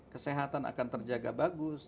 kesehatan akan terjaga bagus